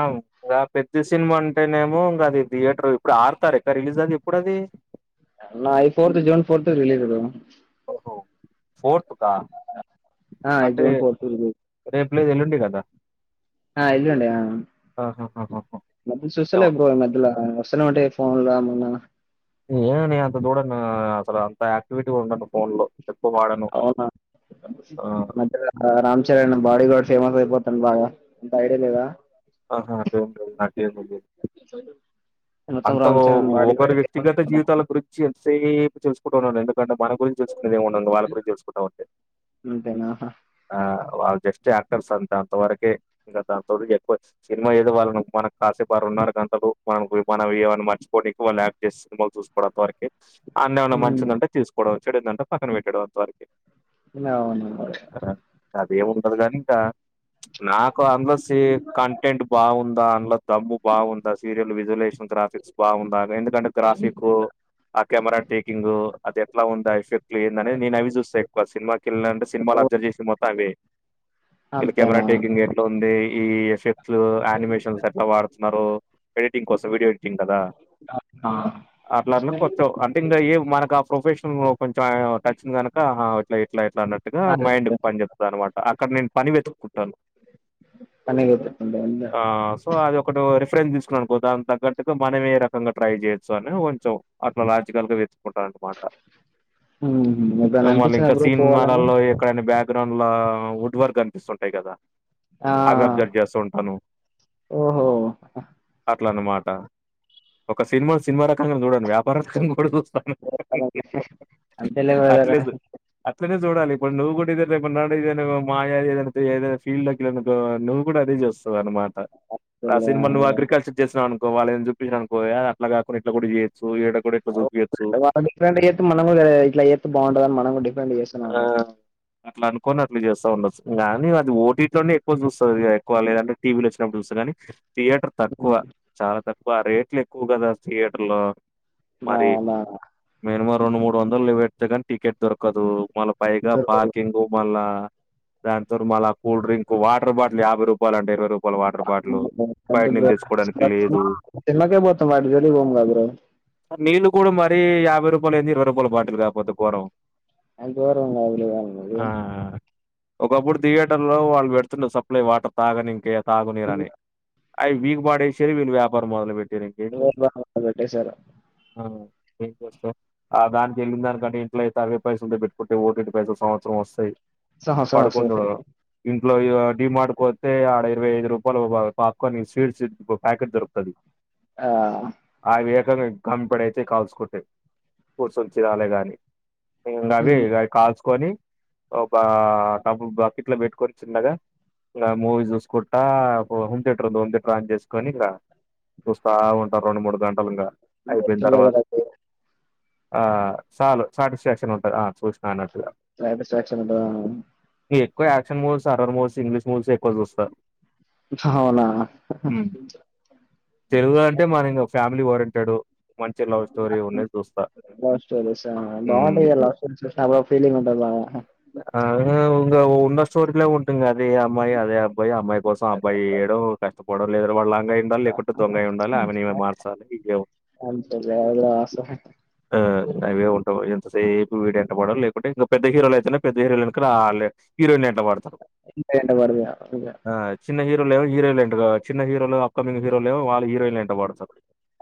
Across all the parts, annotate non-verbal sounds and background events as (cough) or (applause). ఆంవు ఆ పెద్ది సినిమా ఉంటేనేమో ఇంగ అది థియేటర్ ఇప్పుడు ఆడతారు ఎక్కడ రిలీజ్ అది ఎప్పుడు అది నా ఐ ఫొన్తొ జూన్ ఫోర్త్ రిలీజ్ బ్రో ఓహో ఫోర్త్ కా ఆ ఈ అంటే జూన్ ఫోర్త్ రిలీజ్ రేపు ఎళ్ళుండే కదా ఆ ఎళ్ళుండా ఆ ఆహాహాహాహా! అపుడు చూస్తలే ఏమో బ్రో మధ్యల వస్తనే ఉంటయి ఫోన్ లొ ఏమన్నా ఏవని అంత చూడనూ అసలు అంత యాక్టివిటీ ఉండదు ఫోన్ లో అవునా ఆ! మద్య లో అ రామ్ చరణ్ బాడిగడ్ ఫేమస్ అయిపోతాడు బాగా అంత ఐడియా లేదా ఆహా అట్టేం లేదు నాకేముంది (inaudible) అంత చరణ్ ఒ బాడీ ఒకరు గార్డ్ ఫేమస్ వ్యక్తిగత అయిపోతాను జీవితాల గురించి ఎంతసేపు తెలుసుకుంటూ ఉన్నాను ఎందుకంటే మన గురించి తెలుసుకునే ఉండింది వాళ్ళ గురించి తెలుసు కుంటా ఉంటే అంతే ఆ వాళ్ళ్ జస్ట్ యాక్టర్స్ అంతె అంత వరకే ఇంత అంత వరికి ఎక్కువె సినిమా ఏదో వాళ్ళను మనకు కాసేపు అరున్నర గంటలు మన మనం ఏమన్న మర్చివడానికి వాళ్ళు యాక్ట్ చేస్తు చూసుకోవడంత వరకి అన్నే ఉన్నా ఉమ్ మంచిందుంటే తీసుకోవడం వచ్చ ఏంటంటే పక్కన పెట్టేడంత వరకె ఇలాను (unintelligible) అదేముండదు గాని ఇంకా నాకు అందులో సి కంటెంట్ బాగుందా అందులో డబ్బు బాగుందా సీరియల్లో విజువలేషన్ గ్రాఫిక్స్ బాగుందా ఎందుకంటే గ్రాఫికు ఆ కెమెరా టేకింగ్ అది ఎట్లా ఉందా ఆ లేందనే నేను అవి చూస్తా ఎక్కువ సినిమాకి వెళ్ళిన అంటే ఓ సినిమాలో అబ్జర్వ్ చేసేది మొత్తం అవే వీళ్ళ కెమెరా అంతేనా టేకింగ్ ఎట్లా ఉంది స్లు అనిమేషన్స్ ఎట్లా వాడుతున్నారు ఎడిటింగ్ కోసం వీడియో ఎడిటింగ్ కదా అట్లట్ల కొంచం అంటే ఇంగ ఏం మనకు ఆ ప్రొఫెషన్ కొంచెం టచ్చింది గనుక అట్లా అన్నట్టుగా అదే అదే మైండ్కి పని చెప్త అనమాట అక్కడ నేను పని వెతుకుంటాను పని అయిపోతుంది ఆ సో అది ఒకటో రెఫ్ రెన్స్ తీసుకునమనుకో దాని తగ్గట్టుగా మనం ఏ రకంగా ట్రై చేయచ్చు అని కొంచం అట్లా లాజికల్గా అన్మాట ఉమ్. ఎప్పుడైనా ఇంగ అనిపించిందా మల్ల బ్రో పోవాలని సీన్మాలలో ఎక్కడైనా బ్యాక్ గ్రౌండ్ లో వుడ్ వర్క్ ఖనిపిస్తుంటాయి కదా ఆ అవి అబ్జర్వ్ చేస్ ఓహో అట్లన్నమాట ఒక సినిమా సినిమా రకంగా చూడండి వ్యాపార రకంగా కూడా చూస్ అంతేలే బ్రదర్ అట్లేజు అట్లనే చూడాలి ఇప్పుడు నువు కూడా రేపటి నాడు ఏదైన మాయ ఏదైనా ఫీల్డ్ లో వెల్లవ్ అనుకో కూడా అదే చూస్తది అనమాట ఆ సిన్మా నువ్ అంతేలే అగ్రికల్చర్ చేసినా అను కో వాళ్ళేమైన చెప్పించిరనుకో ఏ అట్లా కాకుండా ఇట్లా కూడా చే వా డిఫరెంట్ చెత్తే మనం కూడా ఇట్లా చెత్తే బాగుంటదని మనం కూడా డిఫరెంట్ చేతనం ఆ! లే అట్లా అనుకోని అట్లా చేస్తా ఉండచ్చు గానీ అది ఓటిట్లోనే ఎక్కువ చూస్తది తక్కువ లేదంటే టీవీలో వచ్చినప్పుడు చూస్తగానీ థియేటర్ తక్కువ చాలా తక్కువ రేట్లు ఎక్కువ కదా థియేటర్ లో నానా రెండు మూడు వందలు పెట్తే కానీ టికెట్ దొరకదు మళ్ళా పైగా పార్కింగు మళ్ళా దానికి తోరు మళ్ళా కూల్ డ్రింక్ వాటర్ బాటిల్ యాభై రూపాయలు అంట ఇరవై రూపాయలు వాటర్ బాటిల్ బయట వద్దు బ్రో నుంచి తెచ్చుకోవడానికి లేదు సినిమాకే పోతాం వాటి జోలికి పోము కదా బ్రో నీళ్లు కూడా మరి యాభై రూపాయలేంది ఇరవై రూపాయల బాటిల్ కాకపోతే కోరం ఎం గోరం కాదులే గాని అది ఒకప్పుడు థియేటర్లో వాళ్ళు పెడుతుండే సప్లై వాటర్ తాగనీంకి తాగునీరని అవి వీకు పాడేసి వీళ్ళు వ్యాపారం మొదలు పెట్టిరు ఇంకేం ఎవరు చేస్తాం బాగా పెట్టేశారు ఏం చేస్తా ఆ దానికిక వెళ్లిందానికంటే ఇంట్లోయితే అరవై పైసలుతో పెట్టుకుంటే ఓటిటి పైసలు సంవత్సరం వస్తాయి సంవత్సరం పడుకుందుడు వస్తాయి ఇంట్లో డీమార్డుపోతే ఆడ ఇరవై ఐదు రూపాయలు ఒక పాప్కార్న్ స్వీట్స్ ప్యాకెట్ దొరుకుతది ఆ గంపెడు అయితయి కాల్చుకుంటే కూర్చొని చిరాలే గాని ఇంగ అవి ఉమ్. ఇ కాల్చుకొని ఒక టబ్బు బకిట్లో పెట్టుకొని చిన్నగా ఇంగ మూవీ చూసుకుంటా హోమ్ దియేటర్ ఉంది హోమ్ థియేటర్ ఆన్ చేసుకొని ఇంగ చూస్తా ఉంటా రెండు మూడు గంటలు ఇంగ అయిపోయిన తర్వాత బ్రదర్ అది ఆ చాలు సాటిస్ఫాక్షన్ ఉంటుంది ఆ చూసినా అన్నట్టుగా సాటిస్ఫాక్షన్ ఉంటదా ఇగా ఎక్కువ action movies, horror movies English మూవీసే ఎక్కువ చూస్తా. అవునా హ్మ్ తెలుగు అంటే మన ఇంగ ఫ్యామిలీ ఓరియంటెడ్ మంచి లవ్ స్టోరీ ఉన్నది చూస్తా. లవ్స్టోరీసా హ్మ్ బావుంటయి ఇగా లవ్స్టోరీస్ చూసినా కూడ ఓఫీలింగ్ ఉంటది బాగా. అహా ఉంగ ఉ ఉన్న స్టోరీలే ఉంటయి ఇంగా అదే అమ్మాయి, అదే అబ్బాయి అమ్మాయికోసం అబ్బాయి ఏడో కష్టపడో లేదో వాళ్ళ లయి ఉండాలి లేకుంటే దొంగయి ఉండాలి అమెని ఈమె మార్చాలి ఇవే అంతే బ్రో అసలు ఆ అవే ఉంటవు ఎంతసేపు వీడెంట పడాలి లేకుంటే ఇంగా పెద్ద హీరోలు అయితేనే పెద్ద హీరోలెనక ఆల్లే హీరోయిన్లు ఎంట పడతరు. ఎవరిదిగా ఇగా చిన్న హీరోలేమో హీరోయిన్లేంటగా, చిన్న హీరోలెమో అప్కమింగ్ హీరోలేమో వాళ్ళు హీరోయిన్లేంట పడుతరు.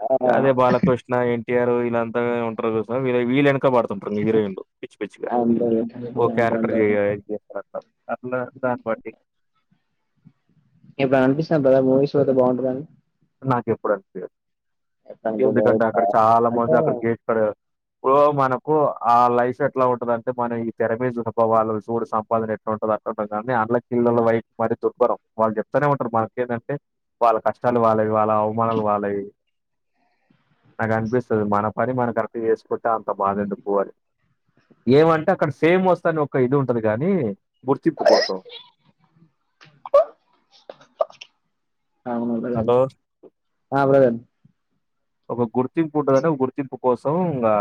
ఆ అదే బాలకృష్ణ, ఎన్టీఆర్ వీలంతా ఉంటరు చూసినవా వీ వీళ్ళేను కపడుతుంటరు హీరోయిన్లు పిచ్చి పిచ్చిగా. అందరు ఓ అంతే క్యారెక్టర్ అంటారు ఇగా ఇది చేస్తరు అట్లా, అట్లా దాని బ ఎప్పుడన్నా అనిపిస్తాంటదా మూవీస్ కి పోతే బావుంటదని. నాకేప్పుడు అనిపియదు. చెప్పాను బ్రదర్. ఎందుకంటే ఇట్లా అక్కడ చాలా అంటే మంది అక్కడ గేట్కాడ ఓ మనం కు ఆ లైఫ్ ఎట్లా ఉంటదంటే మనం ఈ తెరమీది అనుభవాళ్ళు సూడు సంపాదన ఎట్లుంటదో అనుకుంటం కానీ ఆ వాళ్ళ పిల్లల లైఫ్ మరి దుర్బరం. వాళ్ళు చెప్తనే ఉంటరు మనకు ఏందంటే వాళ్ళ కష్టాలు వాళ్ళయి, వాళ్ళ అవమానాలు వాళ్ళయి. నాకు అనిపిస్తది మన పని మనం కరెక్ట్ చేసుకుంటే అంత బాధ ఎందుకు అని. ఏమంటే అక్కడ ఫేమ్ వస్తదని ఒక ఇది ఉంటది కాని గుర్తింపు కోసం. ప అవును బ్రదర్. హలో ఆ బ్రదర్ ఒక గుర్తింపు ఉంటందని ఒక గుర్తింపు కోసం ఇంగా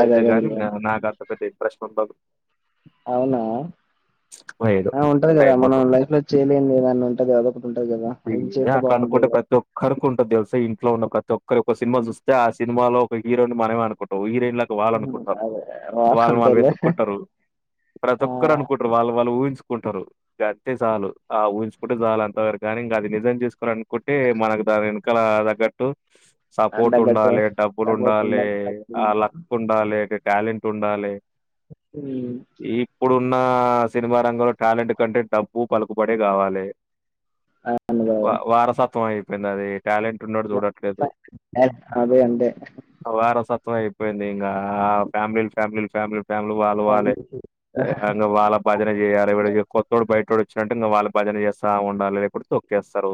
అదే అదే గాని బ్రదర్ ఇంగా నాకంత పెద్ద ఇంట్రేస్ట్ ఉండదు. అవునా. వైదు ఆ ఉంటది కదా మనం లైఫ్ లో చేయలేన్ది ఎదన్న ఉంటది అదొకటి ఉంటది కదా, ఇది చేస్తే బావుంటదిగా. స్తే ఇంట్లో ఉన్న ప్రతి ఒక్కరి ఒక్క సినిమా చూస్తే ఆ సినిమాలో ఒక హీరోని మనమే అనుకుంటాం. హీరోయిన్ల ఇగ వాళ్ళనుకుంటరు. అదే వాడు వాళ్ళని వాళ్ళు అంతేలే వెతుక్కుంటరు. ప్రతి ఆ ఒక్కరు అనుకుంటరు. వాళ్ళది వాళ్ళు ఊహించుకుంటరు గంతే సాలు ఆ ఊహించుకుంటే చాలు అంత వరకి కానీ ఇంగా అది నిజం చేసుకోలనుకుంటే మనకు దాని వెనకాల తగ్గట్టు సపోర్ట్ అంతగ్గట్టు ఉండాలే, డబ్బులు సపోర్ట్ ఉండాలే, ఆ లక్ ఉండాలే, ఇటు టాలెంట్ ఉండాలే. ఉ హ్ ఉన్నా సినిమా రంగంలో టాలెంట్ కంటె డబ్బు, పలుకుబడే కావాలే. వావారసత్వం అయిపోయింది, అది టాలెం టున్నోడు చూడట్లేదు. అదే అంతే ఆ వారస త్వంఅయిపోయింది ఇంగా ఫ్యామిలీలు, ఫ్యామిలీలు, ఫ్యామిలీలు ఫ్యామిలీలు వాళ్ళువాళ్ళే. ఇంగా వాళ్ళ భజనే చేయాలే ఇంగా కొత్తోడు బయటోడు వచ్చిండంటే ఇంగా వాళ్ళ భజన చేస్తాఉండాలే లేకపోతే తోక్కేస్తరు.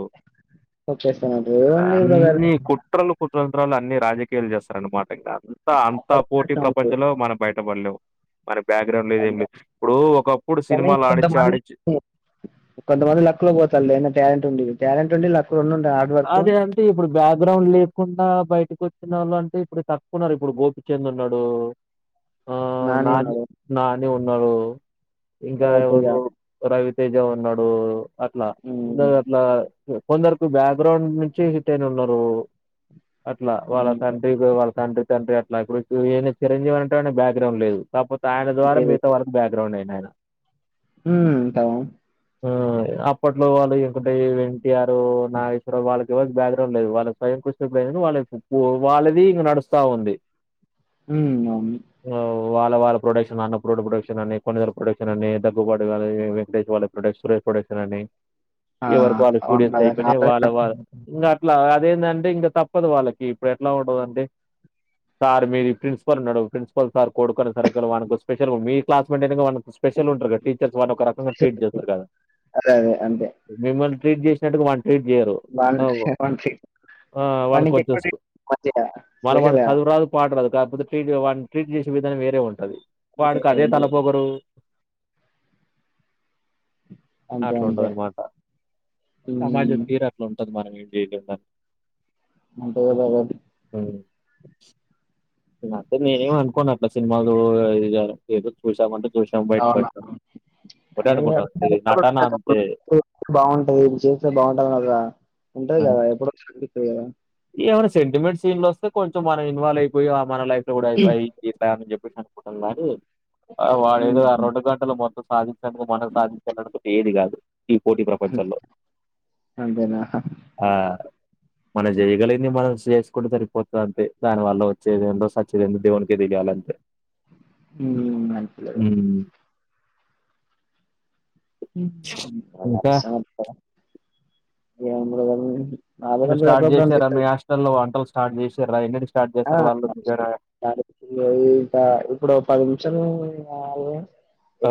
వచ్చేస్తున్నారు ఏముంది బ్రదర్ అన్నీ కుట్రలు కు తంత్రాలు, అన్ని రాజకీయాలు చేస్తారు అన్నమాట, ఇంగా అంతా అంతా అక్కడ పోటీ కష్టం ఉంది ప్రపంచంలో మనం బయ టబడ్లేవు. అయన బ్యాక్గ్రౌండ్ లేదు ఏం అంతే లేదు. ఇప్పుడు ఒకప్పుడు కానీ సినిమాలు ఆడిచ్చి ఆడిచ్చి కొంతమంది కొంతమంది లక్కులో పోతారులేండి ట్యాలెంటుండి. ట్యాలెంటుండి లక్ రెండు ఉంటాయి హార్డ్ వర్క్ అదే అంటే ఇప్పుడు బ్యాక్గ్రౌండ్ లేకుండా బయటకు ఒ అంటే ఇప్పుడు తక్కున్నారు ఇప్పుడు గోపిచంద్ ఉన్నాడు ఆ నాని నాని ఉన్నాడు ఇంకా రైతుగా ఎవరు ర తేజ ఉన్నడు అట్లా ఇంగ ఉమ్ అట్లా కొందరకు బ్యా గ్రౌండ్ నుంచి హిట్ అయిన ఉన్నారు అట్లా వాళ్ళ ఉమ్ (unintelligible) వాళ్ళ (unintelligible) తండ్రి అట్ల ఇప్పుడు ఇనే చిరంజీవి అంటే (unintelligible) బ్యాక్ గ్రౌండ్ లేదు కాకపోతే ఆయన ద్వారా లేదు. మిగతా వాలకు బ్యా గ్రౌండ్ అయినారు ఉమ్ తా ఆ అప్పట్లో వాళ్ళు ఇంకంటే ఎన్ంటిఆరు న వాళ్ళకి ఎవ్వర్కి బ్యాక్గ్రౌండ్ లేదు వాళ్ళ స్వయం కృషని వాళ్ళ వాళ్ళది ఇంకా నడుస్తా ఉంది ఉ అవును ఆహ్, వాళ్ళ వాళ్ళ ప్రొడక్షన్ అన్న పూర్ణ ప్రొడక్షన్ అని కొనిదెల ప్రొడక్షన్ అని దగ్గుబట్ కని వెంకటేష్ వాళ్ళ ప్రొడక్ష్ డెస్పెరేస్ ప్రొడక్షన్ అని ఆ ఎవరికి వాళ్ళు అవును స్టూడియోస్ కదా. అయిపోయి ఆల్రెడీ వాళ్ళ నాకు వాళ ఇంగ అట్లా అదే (unintelligible) అంటే ఇంకా తప్పదు వాళ్ళకి ఇప్పుడు ఎట్లా ఉండదండి సార్ మీరు ఈ ప్రిన్సిపల్ ఉన్నాడు ప్రిన్సిపల్ సార్ కొడుకన్ సరికల్ వానుకు స్పెషల్ మీ క్లాస్మెంటేనికి వనుక్ స్పెషల్ ఉంట్రు గా టీచర్స్ వాన్నోక రకంగా ట్రీట్ తెలిసేది. చేస్తారు కదా అదే అదే అంతే మిమల్ ట్రీ చేసినట్టు వాన్ ట్రీట్ చేయరు ఆ! (unintelligible) ఆ వానికి వానికోంచం ఎక్కువ స్క్రు మంచిగా మళ్ళ స్పెషల్ వాడికి గా చదువురాదు పాడురాదు కాకపోతే వాడిని ట్రీట్ చేసే విధానం వేరే ఉంటది వాడికి ఉంటది అదే అంతే తలపోగరు అంతే అట్ల వుంటదన్నమాట సమాజం ఉమ్ తీరు అట్లా ఉంటది (unintelligible) అంటే (unintelligible) ఉహు నేనత్తే నేనేమి అనుకోనట్లా సినిమాలు చూడల ఇది కావలే ఏదో చూసామంటే చూ అవును (unintelligible) అనుకుంటాం ఇది నటన అంతే బాగుంటది చేస్తే బాగుంటదిన్నది కదా ఉంటాది కదా (unintelligible) ఎవ్వన్న సెంటిమెంట్ సీన్ లోస్తే కొంచం మనం ఇన్వాల్వ్ అయిపోయి ఆ మన లైఫ్ ఇట్ల గూడయిపయే ఇది చేత్త అని చెప్పేసి అనుకుంటరు గాని ఆ ఉమ్ వాడేదో ఆ రోండు గంటలు మొ సాధించనుకో మనం సాధించాలనుకుంట ఏది కాదు ఈ పోటీ అంతే. ప్రపంచంలో అంతేనా ఆ మన చేయగలిగింది మనం చేసుకుంటే సరిపోతది అంతే దాని వల్ల వచ్చేదేందో సచ్చేదేందో దేవునికే తేలియాలంతే ఉ (unintelligible) ఉమ్ ఇంకా ఉమ్ (unintelligible) ఇంగ గంటలు స్టార్ట్ అప్పుడప్పుడు చేసారా మీ అనిపిస్తది హాస్టల్లో వంటల్ స్టార్ట్ చేసిర్రా ఎన్ని ఆ దానికి పి ఏ ఇంకా ఇప్పుడు పది నిమిషాలు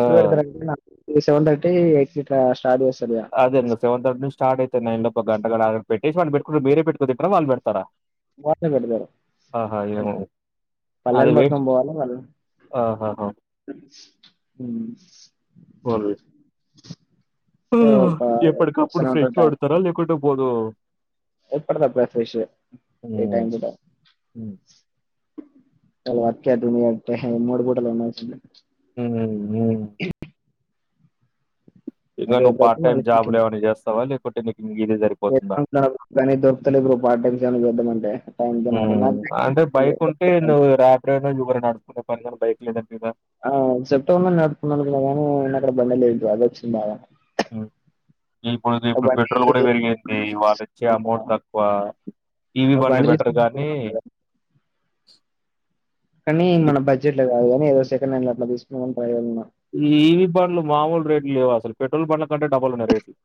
ఆ పెడతారు సెవెన్ థర్టీ ఎయి స్టార్ట్ చేస్ అదేందో సెవన్ థర్టీ నుంచి స్టార్ట్ అయితది నైన్ లోపు ఓ గంటగూడగడ్ పెట్టేషి వాన్ని పెట్కుంట్ మీరే పెటుకు తింటరా వాళ్ పెడతారా వాళ్ళే పెడతారు ఆహా ఏమో అది వేస్ట్ ఆహాహా (inaudible) పోన్లే ఆ ఏ ఒక ఎప్పటికప్పుడు వస్తూనే ఫ్రెష్గా వండతారా లేకుంటే పోదు ఎప్పుడు దప్పడది ఫ్రెష్ గా ఉమ్ time to time um work (unintelligible) మూడు పూటలు ఉండాల్సిందే హ్మ్ హ్మ్ ఇంకా నువ్వు రేపయితే పార్ట్ టైమ్ మళ్ళీ చికెన్ జాబులు ఏం అయినా చేస్తావా లే కానీ దొరుకుతలేవు బ్రో పార్ట్ టైమ్స్ ఏం అన్న చేద్దామంటే హ్మ్. (unintelligible) అంటే బైక్ ఉంటే దొరుకుతలేదు. నువ్వు రాపిడో ఉబర్ నడుపూకునే పని కానీ బైక్ లేదంట కదా ఆ సెప్టెంబర్ నడుపూకోవాలి అనుకున్న కానీ నేను అక్కడ బండి లేదు అది వచ్చిందా ఉ ఇప్పుడు ఇప్పుడు పెట్రోల్ కూడా పెరిగింది వాళ్ళు ఇచ్చే అమౌంట్ తక్కువ ఇవి ఆ బండ్లు బండి బెటర్ తీసుకున్నాను గానీ (unintelligible) (inaudible) (unintelligible) కానీ మన ఇప్ బడ్జెట్ లో కాదు కానీ ఏదో సెకండ్ హ్యాండ్ అట్లా తీసుకుందాం అని ట్రై లోనే ఉన్న ఈ ఈవి బండ్లు మామూలు రేట్లు లేవు అసలు పెట్రోల్ బండ్ల కంటే డబుల్ ఉన్నాయి రేట్లు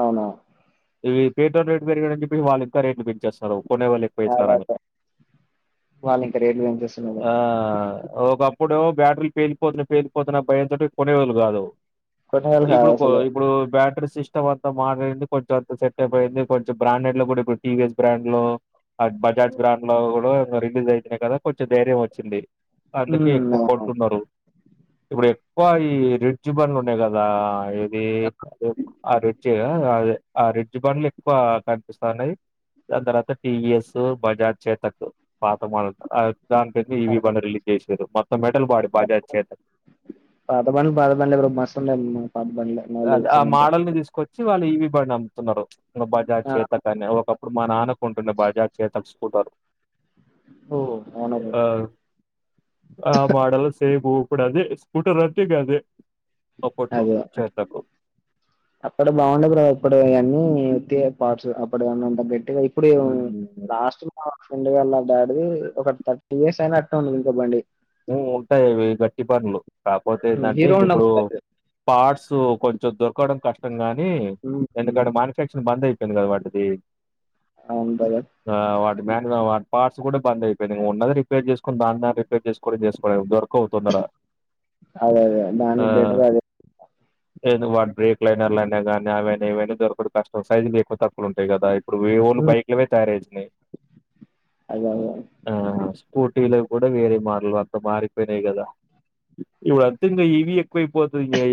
అవునా ఇవి పెట్రోల్ రేట్ పెరిగాయి అని చెప్పి వాళ్ళ ఇంకా రేట్లు పెంచేస్తారు అదే కొనేవాళ్ళేక్కువైతునరని అదే. వాళ్ళు ఇంకా రేట్లు పెంచేస్తున్నారు ఆ ఒకప్ అప్పుడేమో బ్యాటరీల్ పేలిపోతున్నాయి పేలిపోతున్న భయంతోటి కొనేవాలు కాదు కొత్త వాళ్ళు కాదు ఇప్పుడు అసలు ఇప్పుడు బ్యాటరీ సిస్ట సిస్టమ్ అంతా మారిపోయింది కొంచెం అంతా సెట్ అయిపోయింది కొంచె బ్రాండెడ్ లో కూడా ఇప్పుడు టీవీఎస్ బ్రాండ్ లో అట్ బజాజ్ బ్రాండ్లో కూడా రిలీజ్ అయితున్నాయి కదా కొంచెం ధైర్యమొచ్చింది అందుకే ఉమ్, ఎక్కువ అవును. కొంటున్నరు ఇప్పుడు ఎక్కువ ఈ రిడ్జ్ బండ్లు ఉన్నాయి కదా ఇది ఆ రిడ్జ అ ఆ రిడ్జి బండ్లు ఎక్కువ కనిపిస్తానాయి దాని తర్వాత టీవిఎస్ బజాజ్ చేతక్ పాత మోడల్ దాని పె ఈవి పాత- బండ్లు రిలీజ్ చేసారు మొత్తం మెటల్ బాడి బాగా చేత పాత బండ్లు పాత బండ్లే బ్రో మస్తుండయి మా పాత బండ్లు మైలేజ్కి ఆ చేమించే మోడల్ ని తీసుకొచ్చి వాళ్ళు ఇవి బండి అమ్ముతున్నారు ఇగ బజార్ చేతకాని ఒకప్పుడు మా నాన్నకు కుంటునా బజాజ్ చేతక్ స్కూటర్ ఓ అవును బ్రో. ఆ ఆ మోడల్ సేమ్ ఇప్పుడు అదే స్కూటర్ అంటే ఇగ అదే అప్పట్లో చేతక్ అప్పుడు బాగుండు బ్రో ఇప్పుడు అన్నీ అ పార్ట్స్ అప్పటి ఉన్నత గట్టిగా ఇప్పుడు ఉమ్ లాస్ట్ లో ఫ్రండ్ వాల్ల డాడీ ఒక థర్టీ ఇయర్స్ అయినటూ ఉంది ఇంక బండి ఉంటాయి ఇవి గట్టి బండ్లు కాకపోతే ఉమ్, ఏంటంటె హీరో హోండా ఇప్పుడు బ్రదర్ పార్ట్స్ కొంచెం దొరకడం కష్టం గాని నీ ఎందుకంటే మాన్యుఫాక్చరింగ్ మనది అయిపోయింది కదా వాటిది అవును బ్రదర్ ఆ మ్యాన్గావ పార్ట్స్ కూడా బంద్ అయిపోయినాయి ఉన్నది రిపేర్ చేసుకుని దానిన్ని రిపేర్ చేసు చేసుకోవడామే దొరకవు తొందరగా అదే అదే ఆ దానికి బెటర్ అదే వా బ్రేక్లైనర్ అయినా కానీ అవి అని ఇవి అని దొరకవు కష్టం సైజులు ఎక్కువ తక్కువా ఉంటాయి కదా ఇప్పుడు విఓన్ ఉమ్, బైక్లువే తయారు అయితున్నాయి అదే అదే స్కూటీలవి కూడా విల్లే మా ఫుల్ అంత మారిపోయినాయి కదా ఇవి వస్తుంటే ఈవీలు ఎక్కువైపోతునాయి